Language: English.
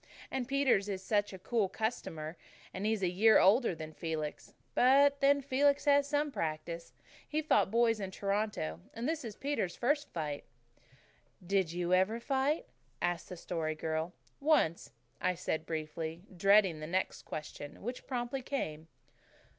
And Peter is such a cool customer, and he's a year older than Felix. But then Felix has had some practice. He has fought boys in Toronto. And this is Peter's first fight." "Did you ever fight?" asked the Story Girl. "Once," I said briefly, dreading the next question, which promptly came.